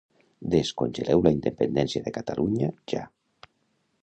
Descongeleu la independència de Catalunya ja